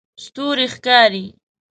ستوری ښکاري